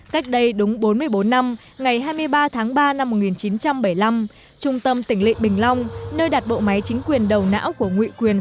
cách đây đúng bốn mươi bốn năm ngày hai mươi ba tháng ba năm một nghìn chín trăm bảy mươi năm trung tâm tỉnh lị bình long nơi đặt bộ máy chính quyền đầu não của nguyễn quyền